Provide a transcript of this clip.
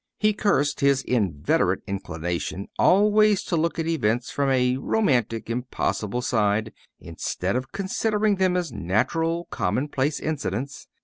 He cursed his inveterate inclination always to look at events from a romantic impossible side, instead of considering them as natural commonplace incidents.